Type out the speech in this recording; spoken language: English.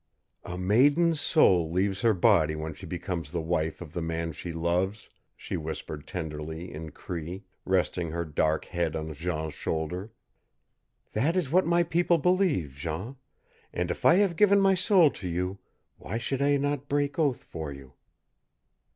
"A maiden's soul leaves her body when she becomes the wife of the man she loves," she whispered tenderly in Cree, resting her dark head on Jean's shoulder. "That is what my people believe, Jean; and if I have given my soul to you, why should I not break oath for you?"